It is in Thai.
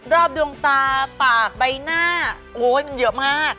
ดวงตาปากใบหน้าโอ้ยมันเยอะมาก